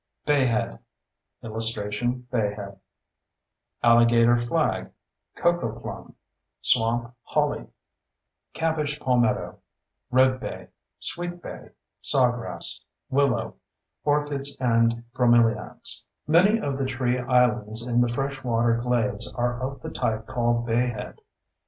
Bayhead [Illustration: Bayhead] ALLIGATOR FLAG COCOPLUM SWAMP HOLLY CABBAGE PALMETTO REDBAY SWEETBAY SAWGRASS WILLOW ORCHIDS AND BROMELIADS Many of the tree islands in the fresh water glades are of the type called bayhead.